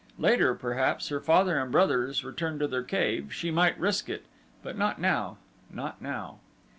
Later, perhaps, her father and brothers returned to their cave, she might risk it; but not now not now.